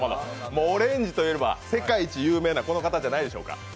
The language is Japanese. もう、オレンジといえば世界一有名なこの方じゃないでしょうか。